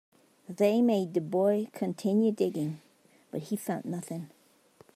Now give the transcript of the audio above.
They made the boy continue digging, but he found nothing.